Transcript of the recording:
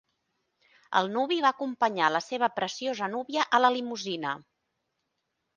El nuvi va acompanyar la seva preciosa núvia a la limusina.